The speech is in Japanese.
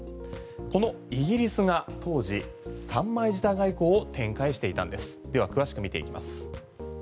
このイギリスが当時三枚舌外交を展開していたんですでは詳しく見ていきます。